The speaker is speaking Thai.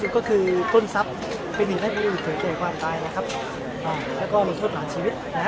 นั่นก็คือกำเลี่ยห์ศัตรูปุหรัสตราคุณสมัย